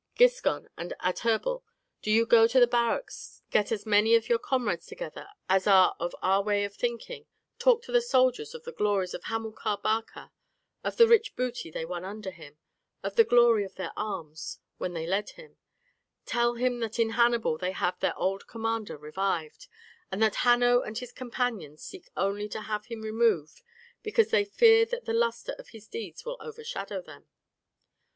Giscon and Adherbal, do you go to the barracks, get as many of your comrades together as are of our way of thinking, talk to the soldiers of the glories of Hamilcar Barca, of the rich booty they won under him, of the glory of their arms when he led them, tell them that in Hannibal they have their old commander revived, and that Hanno and his companions seek only to have him removed, because they fear that the luster of his deeds will overshadow them.